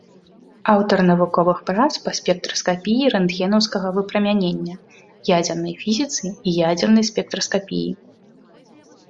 Аўтар навуковых прац па спектраскапіі рэнтгенаўскага выпрамянення, ядзернай фізіцы і ядзернай спектраскапіі.